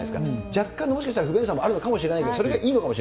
若干もしかしたら不便さもあるのかもしれないけど、ですよね。